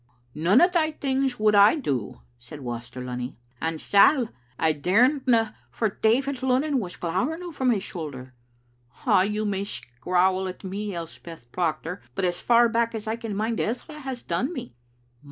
"None o' thae things would I do/' said Waster Lunny, "and sal, I dauredna, for Davit Lunan was glowering over my shuther. Ay, you may scrowl at me, Elspeth Proctor, but as far back as I can mind, Ezra has done me.